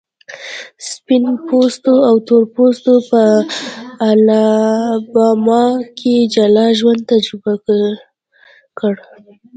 سپین پوستو او تور پوستو په الاباما کې جلا ژوند تجربه کړ.